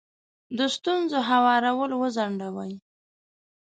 د ستونزو هوارول وځنډوئ.